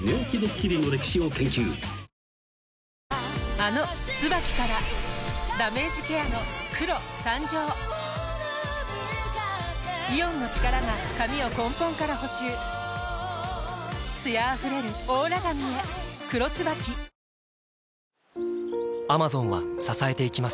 あの「ＴＳＵＢＡＫＩ」からダメージケアの黒誕生イオンの力が髪を根本から補修艶あふれるオーラ髪へ「黒ＴＳＵＢＡＫＩ」Ｄｏｙｏｕｋｎｏｗラクサ？